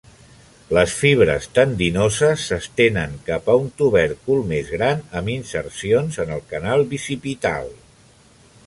Les fibres tendinoses s'estenen cap a un tubèrcul més gran amb insercions en el canal bicipital.